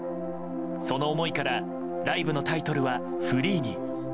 その思いからライブのタイトルは「Ｆｒｅｅ」に。